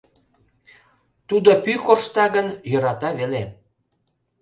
Тудо пӱй коршта гын, йӧрата веле.